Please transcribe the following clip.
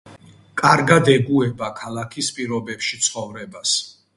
კარგად ეგუება ქალაქის პირობებში ცხოვრებას.